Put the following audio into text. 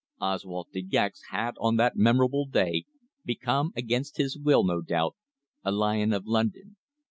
Oswald De Gex had on that memorable day become, against his will no doubt, a lion of London.